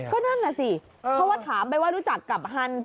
ก็นั่นน่ะสิเพราะว่าถามไปว่ารู้จักกับฮัน